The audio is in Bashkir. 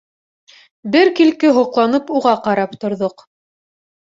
Бер килке һоҡланып уға ҡарап торҙоҡ.